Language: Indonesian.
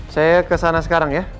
saya kesana sekarang ya